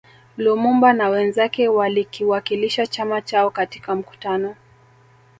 Lumumba na wenzake walikiwakilisha chama chao katika mkutano